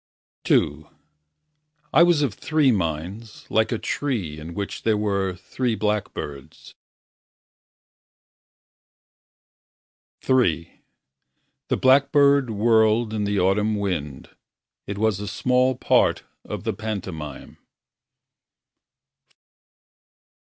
II I was of three minds Like a tree In which there are three blackbirds. III The blackbird whirled in the autumn wind It was a small part of the pantomime.